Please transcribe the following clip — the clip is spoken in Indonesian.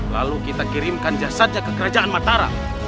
lalu kita kirimkan jasadnya ke kerajaan mataram